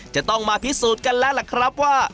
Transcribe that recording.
จะต้องมาพิสูจน์กันแล้วล่ะครับว่า